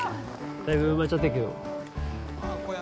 だいぶ埋まっちゃったけど。